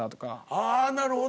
ああなるほど。